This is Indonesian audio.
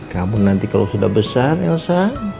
kamu nanti kalau sudah besar elsa